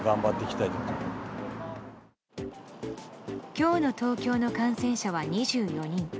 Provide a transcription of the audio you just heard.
今日の東京の感染者は２４人。